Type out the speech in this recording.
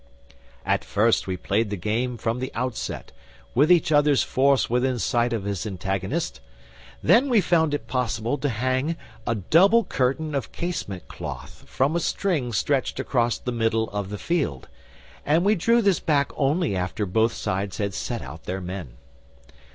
At first we played the game from the outset, with each player's force within sight of his antagonist; then we found it possible to hang a double curtain of casement cloth from a string stretched across the middle of the field, and we drew this back only after both sides had set out their men.